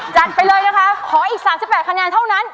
จัดไปเลยนะคะขออีก๓๘คะแนนเท่านั้น